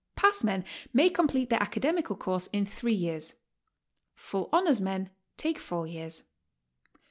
Passmen may complete their academical course in three years; full honors men take four years.